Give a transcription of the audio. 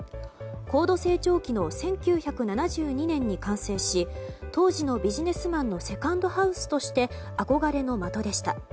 高度成長期の１９７２年に完成し当時のビジネスマンのセカンドハウスとして憧れの的でした。